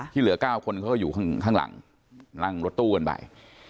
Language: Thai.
เหลือ๙คนเขาก็อยู่ข้างหลังนั่งรถตู้กันไป